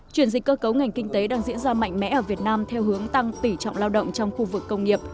chuyển dịch cơ cấu ngành kinh tế đang diễn ra mạnh mẽ ở việt nam theo hướng tăng tỉ trọng lao động trong khu vực công nghiệp